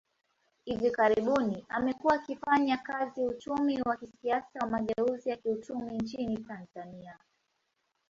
Hivi karibuni, amekuwa akifanya kazi uchumi wa kisiasa wa mageuzi ya kiuchumi nchini Tanzania.